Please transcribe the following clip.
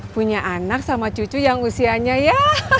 punya anak sama cucu yang usianya ya